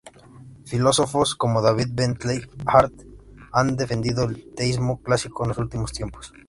Filósofos como David Bentley Hart han defendido el teísmo clásico en los últimos tiempos.